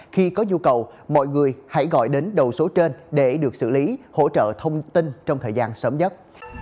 khi có nhu cầu mọi người hãy gọi đến đầu số trên để được xử lý hỗ trợ thông tin trong thời gian sớm nhất